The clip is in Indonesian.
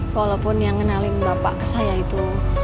walaupun yang kenalin bapak ke saya itu